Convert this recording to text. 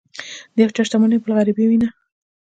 د یو چا شتمني بل غریبوي نه.